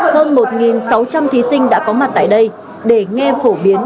hơn một sáu trăm linh thí sinh đã có mặt tại đây để nghe phổ biến